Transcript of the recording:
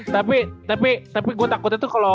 tapi tapi gue takutnya tuh kalau